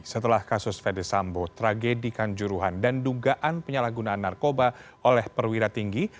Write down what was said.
setelah kasus fede sambo tragedi kanjuruhan dan dugaan penyalahgunaan narkoba oleh perwira tinggi